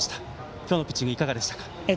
今日のピッチングいかがですか。